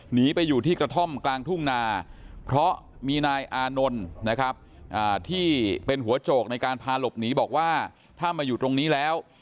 หนีไปอยู่ที่กระท่อมกลางทุ่งนาเพราะมีนายอานนท์นะครับที่เป็นหัวโจกในการพาหลบหนีบอกว่าถ้ามาอยู่ตรงนี้แล้ว